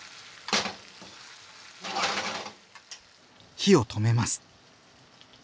火を止めます。